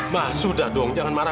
masudah dong jangan marah